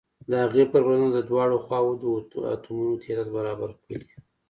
د هغې پر بنسټ د دواړو خواو د اتومونو تعداد برابر کړئ.